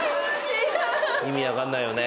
意味分かんないよね